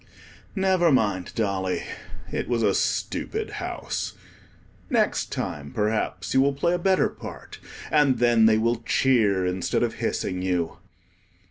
Never mind, Dolly; it was a stupid house. Next time, perhaps, you will play a better part; and then they will cheer, instead of hissing you.